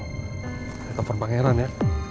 telepon pangeran ya